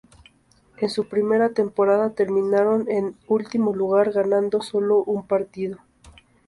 En su primera temporada terminaron en último lugar, ganando solo un partido.